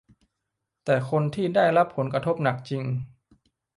แต่คนที่ได้รับผลกระทบหนักจริง